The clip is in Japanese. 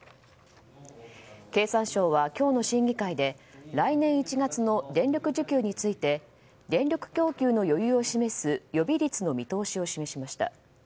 経産省は、今日の審議会で来年１月の電力需給について電力供給の余裕を示す予備率の見通しを示しました。